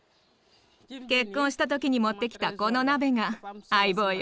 結婚した時に持ってきたこの鍋が相棒よ。